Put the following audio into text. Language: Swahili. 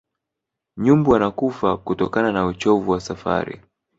nyumbu wanakufa kutokana na uchovu wa safari